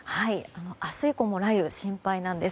明日以降も雷雨が心配なんです。